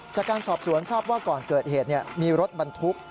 จากการสอบสวนทราบว่าก่อนเกิดเหตุมีรถบรรทุก